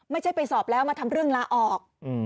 ไม่ใช่ไปสอบแล้วมาทำเรื่องลาออก